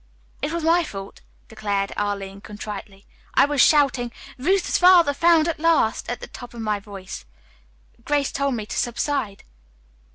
"It was my fault," declared Arline contritely. "I was shouting, 'Ruth's father found at last!' at the top of my voice. Grace told me to subside."